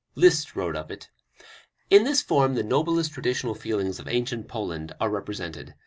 Liszt wrote of it: "In this form the noblest traditional feelings of ancient Poland are represented.